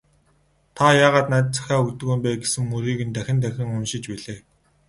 "Та яагаад надад захиа өгдөггүй юм бэ» гэсэн мөрийг нь дахин дахин уншиж билээ.